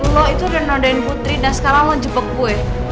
lo itu udah nodain putri dan sekarang lo jebak gue